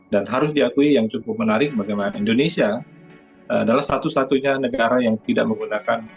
dan harus diakui yang cukup menarik bagaimana indonesia adalah satu satunya negara yang tidak menggunakan